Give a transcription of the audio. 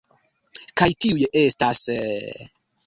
Kaj tiuj estas...